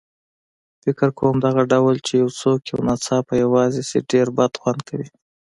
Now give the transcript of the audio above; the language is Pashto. فکر کوم دغه ډول چې یو څوک یو ناڅاپه یوازې شي ډېر بدخوند کوي.